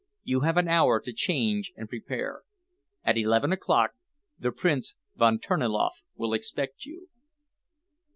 You have an hour to change and prepare. At eleven o'clock the Prince Von Terniloff will expect you."